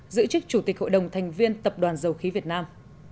giữ chức chủ tịch hội đồng thành viên tập đoàn dầu khí việt nam